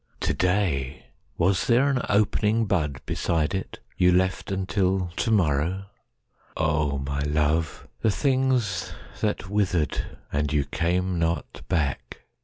To day! Was there an opening bud beside itYou left until to morrow?—O my love, The things that withered,—and you came not back!